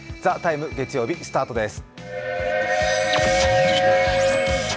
「ＴＨＥＴＩＭＥ，」月曜日、スタートです。